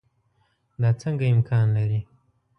دا څنګه امکان لري.